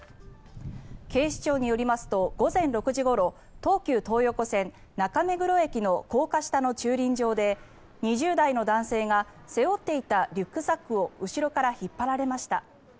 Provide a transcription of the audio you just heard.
警視庁によりますと午前６時ごろ東急東横線中目黒駅の高架下の駐輪場で２０代の男性が背負っていたリュックサックを後ろから引っ張られました。